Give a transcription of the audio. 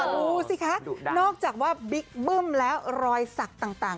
ดูสิคะนอกจากว่าบิ๊กบึ้มแล้วรอยสักต่าง